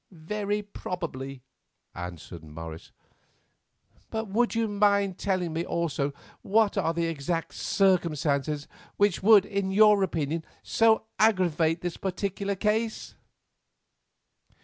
"Very probably," answered Morris, "but would you mind telling me also what are the exact circumstances which would in your opinion so aggravate this particular case?"